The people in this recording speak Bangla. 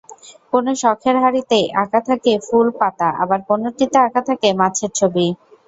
কোনো শখের হাঁড়িতে আঁকা থাকে ফুল-পাতা, আবার কোনোটিতে আঁকা থাকে মাছের ছবি।